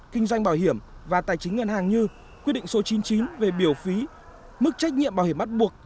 kinh doanh bảo hiểm và tài chính ngân hàng như quy định số chín mươi chín về biểu phí mức trách nhiệm bảo hiểm bắt buộc